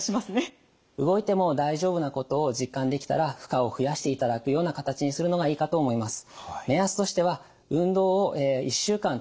動いても大丈夫なことを実感できたら負荷を増やしていただくような形にするのがいいかと思います。